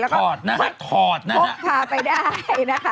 แล้วก็พ๊อกถาไปได้นะคะ